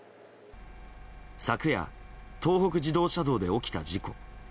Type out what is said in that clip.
昨夜、東北自動車道で起きた事故。